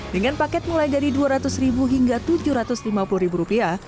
dengan paket mulai dari dua ratus ribu hingga tujuh ratus lima puluh rupiah